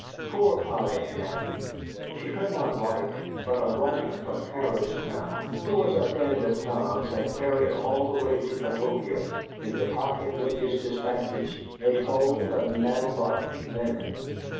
Poor Polly Ann! She could not write, but a runner from Harrodstown who was a friend of Tom's had carried all the way to Cahokia, in the pocket with his despatches, a fold of nettle bark linen.